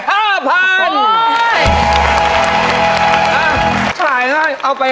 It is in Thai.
สาขาใหญ่เอาไป๕๐๐๐